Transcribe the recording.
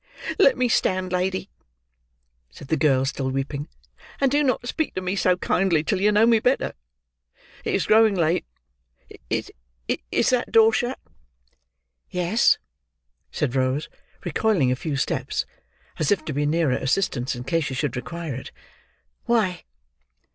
"Let me stand, lady," said the girl, still weeping, "and do not speak to me so kindly till you know me better. It is growing late. Is—is—that door shut?" "Yes," said Rose, recoiling a few steps, as if to be nearer assistance in case she should require it. "Why?"